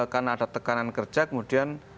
karena ada tekanan kerja kemudian